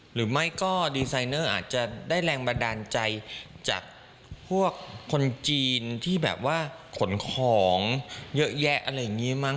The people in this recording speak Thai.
หรือไม่ก็ดีไซเนอร์อาจจะได้แรงบันดาลใจจากพวกคนจีนที่แบบว่าขนของเยอะแยะอะไรอย่างนี้มั้